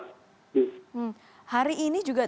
hari ini juga tidak ada perkembangan bantuan